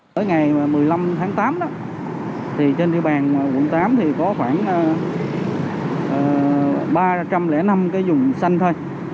tới ngày một mươi năm tháng tám trên địa bàn quận tám có khoảng ba trăm linh năm dùng sanh thôi